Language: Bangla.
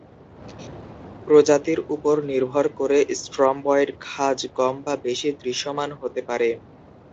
প্রজাতির উপর নির্ভর করে স্ট্রমবয়েড খাঁজ কম বা বেশি দৃশ্যমান হতে পারে।